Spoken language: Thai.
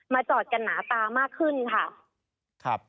จอดกันหนาตามากขึ้นค่ะ